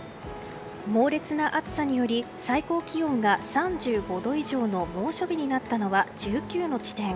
猛烈な暑さにより最高気温が３５度以上の猛暑日になったのは１９の地点。